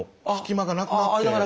間がなくなって。